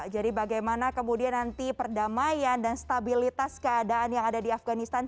jadi bagaimana kemudian nanti perdamaian dan stabilitas keadaan yang ada di afghanistan